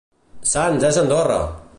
Sants és Andorra!